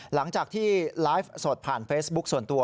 หลังจากที่ไลฟ์สดผ่านเฟซบุ๊คส่วนตัว